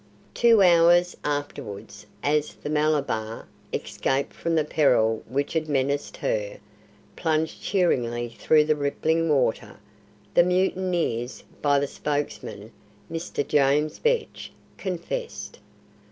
Two hours afterwards as the Malabar, escaped from the peril which had menaced her, plunged cheerily through the rippling water the mutineers, by the spokesman, Mr. James Vetch, confessed.